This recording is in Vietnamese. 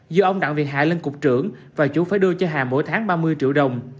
do ông đặng việt hà lên cục trưởng và chủ phải đưa cho hà mỗi tháng ba mươi triệu đồng